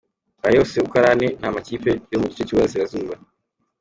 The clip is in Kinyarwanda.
Aya yose uko ari ane ni amakipe yo mu gice cy’u Burasirazuba.